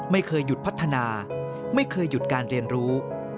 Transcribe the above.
ไม่เคยหยุดพัฒนาไม่เคยหยุดการเรียนรู้